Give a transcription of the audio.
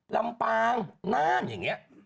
ลำปางน่านอย่างนี้